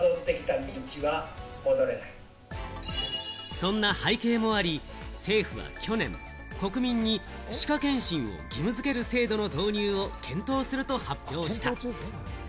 そんな背景もあり、政府は去年、国民に歯科検診を義務づける制度の導入を検討すると発表した。